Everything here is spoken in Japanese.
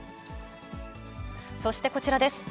そしてこちらです。